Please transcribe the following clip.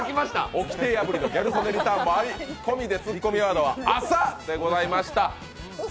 おきて破りのギャル曽根リターンもあり、ツッコミワードは「浅っ」でございました。